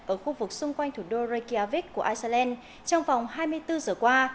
ở khu vực xung quanh thủ đô rakyavich của iceland trong vòng hai mươi bốn giờ qua